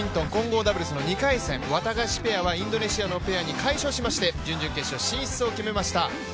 アジア大会、バドミントン混合ダブルスの２回戦ワタガシペアはインドネシアのペアに快勝しまして準々決勝進出を決めました。